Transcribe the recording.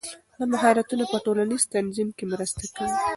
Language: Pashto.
دا مهارتونه په ټولنیز تنظیم کې مرسته کوي.